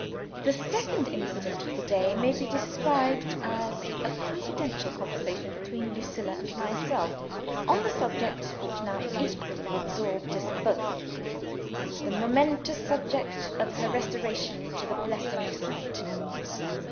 The second incident of the day may be described as a confidential conversation between Lucilla and myself, on the subject which now equally absorbed us both the momentous subject of her restoration to the blessing of sight.